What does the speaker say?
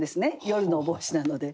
夜のお帽子なので。